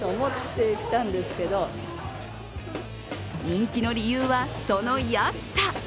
人気の理由は、その安さ。